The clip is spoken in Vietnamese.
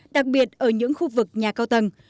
đặc biệt ở những khu vực nhà cao tầng